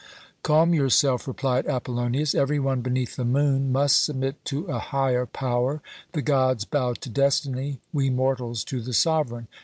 "Calm yourself," replied Apollonius. "Every one beneath the moon must submit to a higher power; the gods bow to destiny, we mortals to the sovereign.